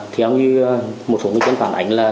theo như một số người dân phản ánh là